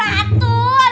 ya mari jam satu